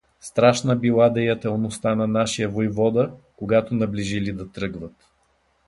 Страшна била деятелността на нашия войвода, когато наближили да тръгват.